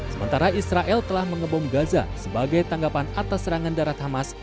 sementara israel telah mengebom gaza sebagai tanggapan atas serangan darat hamas